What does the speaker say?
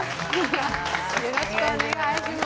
よろしくお願いします。